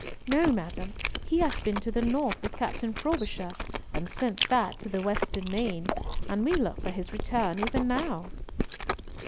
"No, madam. He hath been to the North with Captain Frobisher, and since that to the Western Main, and we look for his return even now."